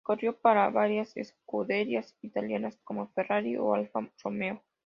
Corrió para varias escuderías italianas como Ferrari o Alfa Romeo.